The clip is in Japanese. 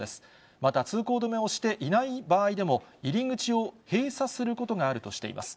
また通行止めをしていない場合でも、入り口を閉鎖することがあるとしています。